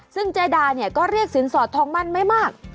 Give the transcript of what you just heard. ซึ่งเจดาเนี่ยก็เรียกสินสอดทองมั่นไม่มาก